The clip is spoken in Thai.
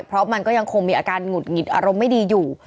เพราะมันก็ยังคงมีอาการหงุดหงิดอารมณ์ไม่ดีอยู่